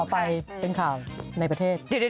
ไปเป็นข่าวในประเทศ